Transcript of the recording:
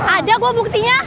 ada gue buktinya